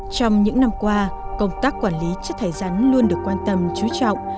trong những năm qua công tác quản lý chất thải rắn luôn được quan tâm chú trọng